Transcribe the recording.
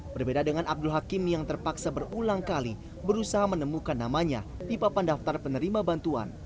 berbeda dengan abdul hakim yang terpaksa berulang kali berusaha menemukan namanya di papan daftar penerima bantuan